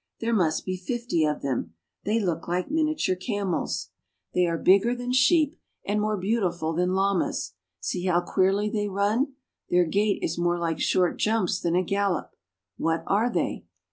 There must be fifty of them. They look like miniature camels. They are bigger 1 70 ARGENTINA. than sheep and more beautiful than llamas. See how queerly they run. Their gait is more like short jumps than a gallop. What are they?